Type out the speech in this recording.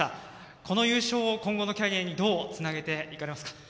この優勝を今後のキャリアにどうつなげていかれますか？